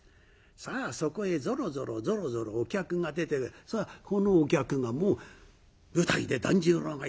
さあそこへぞろぞろぞろぞろお客が出てこのお客がもう舞台で團十郎が言った。